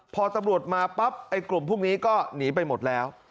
พอตำรวจมาปั๊บไอ้กลุ่มพวกนี้ก็หนีไปหมดแล้ว